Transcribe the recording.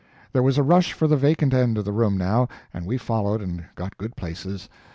There was a rush for the vacant end of the room, now, and we followed and got good places.